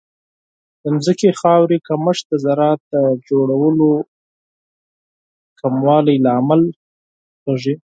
د ځمکې خاورې کمښت د زراعت د تولید کموالی لامل کیږي.